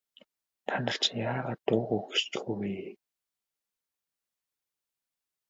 Та нар чинь яагаад дуугүй хөшчихөө вэ?